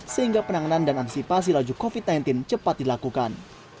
sehingga penanganan dan antisipasi laju covid sembilan belas cepat dilakukan